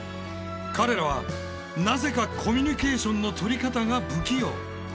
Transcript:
彼らはなぜかコミュニケーションのとり方が不器用。